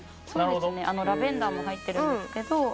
そうですねラベンダーも入ってるんですけど。